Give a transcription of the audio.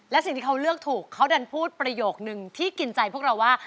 และสิ่งที่เขาเลือกถูกเขาดันพูดประโยคนึงที่กินใจพวกเราว่า